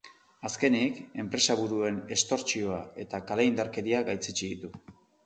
Azkenik, enpresaburuen estortsioa eta kale indarkeria gaitzetsi ditu.